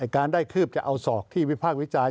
การได้คืบจะเอาศอกที่วิภาควิจัยนะครับ